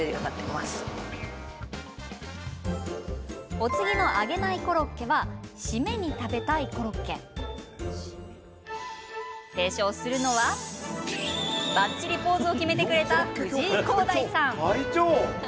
お次の揚げないコロッケは締めに食べたいコロッケ。提唱するのはばっちりポーズを決めてくれた藤井幸大さん。